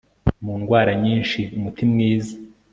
Mu ndwara nyinshi umuti mwiza